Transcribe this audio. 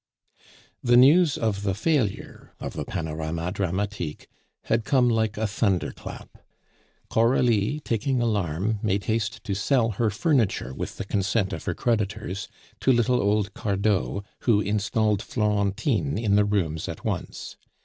The news of the failure of the Panorama Dramatique had come like a thunder clap. Coralie, taking alarm, made haste to sell her furniture (with the consent of her creditors) to little old Cardot, who installed Florentine in the rooms at once.